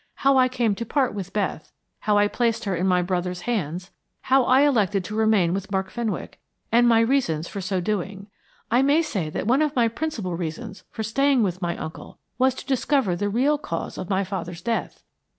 How I came to part with Beth, how I placed her in my brother's hands, how I elected to remain with Mark Fenwick, and my reasons for so doing. I may say that one of my principal reasons for staying with my uncle was to discover the real cause of my father's death.